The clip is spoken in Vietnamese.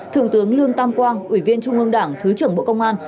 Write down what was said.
thượng tướng lương tam quang ủy viên trung ương đảng thứ trưởng bộ công an